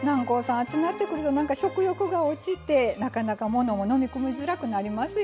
暑なってくるとなんか食欲が落ちてなかなかものも飲み込みづらくなりますよね。